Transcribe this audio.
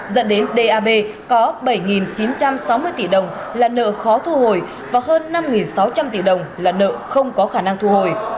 dẫn đến dab có bảy chín trăm sáu mươi tỷ đồng là nợ khó thu hồi và hơn năm sáu trăm linh tỷ đồng là nợ không có khả năng thu hồi